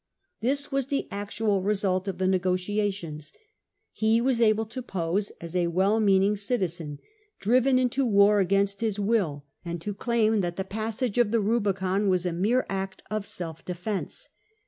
This was the actual result of the negotiations: he was able to pose as a well meaning citizen, driven into war against his will, and to claim that the passage of the Rubicon was a mere act of self defence.